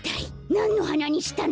なんのはなにしたの？